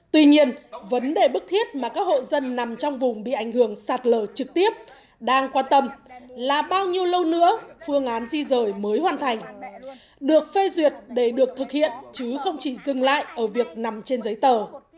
tuy nhiên vấn đề bức thiết mà các hộ dân nằm trong vùng bị ảnh hưởng sạt lở trực tiếp đang quan tâm là bao nhiêu lâu nữa phương án di rời mới hoàn thành được phê duyệt để được thực hiện chứ không chỉ dừng lại ở việc nằm trên giấy tờ